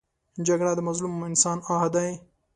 جګړه د مظلوم انسان آه دی